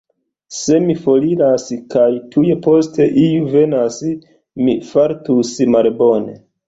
Se mi foriras kaj tuj poste iu venas, mi fartus malbone.